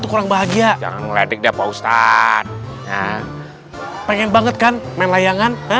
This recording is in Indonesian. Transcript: kurang bahagia jangan larik deh pak ustadz pengen banget kan main layangan